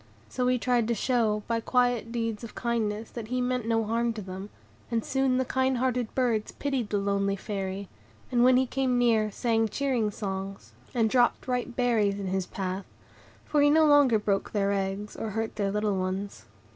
So he tried to show, by quiet deeds of kindness, that he meant no harm to them; and soon the kind hearted birds pitied the lonely Fairy, and when he came near sang cheering songs, and dropped ripe berries in his path, for he no longer broke their eggs, or hurt their little ones.